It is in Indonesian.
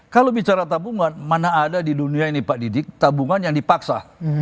kalau bicara tabungan mana ada di dunia ini pak didik tabungan yang dipaksa